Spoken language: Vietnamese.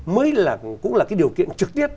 mới là điều kiện trực tiếp